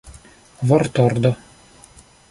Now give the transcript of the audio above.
vortordo